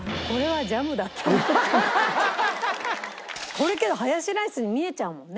これけどハヤシライスに見えちゃうもんね。